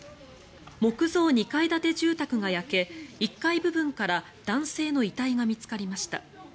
木造２階建て住宅が焼け１階部分から男性の遺体が見つかりました。